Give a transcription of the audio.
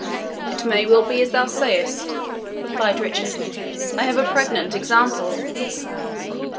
"It may well be as thou sayest," replied Richard; "I have a pregnant example."